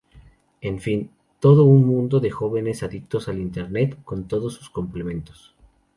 En fin, todo un mundo de jóvenes adictos al Internet, con todos sus complementos.